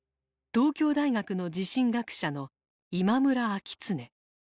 東京大学の地震学者の今村明恒。